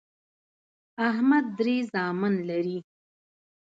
احمد درې زامن لري